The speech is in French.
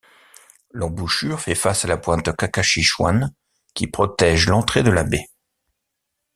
L'embouchure fait face à la pointe Kakachischuan qui protège l'entrée de la baie.